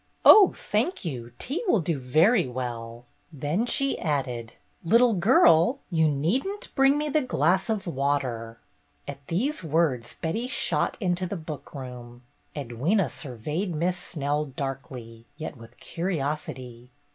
"Oh, thank you, tea will do very well." 18 274 BETTY BAIRD'S GOLDEN YEAR Then she added :'' Little girl, you need n't bring me the glass of water." At these words Betty shot into the book room. Edwyna surveyed Miss Snell darkly, yet with curiosity.